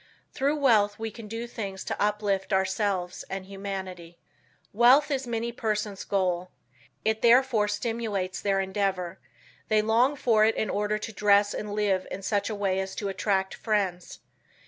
Through wealth we can do things to uplift ourselves and humanity. Wealth is many persons' goal. It therefore stimulates their endeavor. They long for it in order to dress and live in such a way as to attract friends.